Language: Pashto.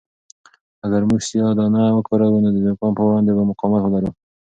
اگر موږ سیاه دانه وکاروو نو د زکام په وړاندې به مقاومت ولرو.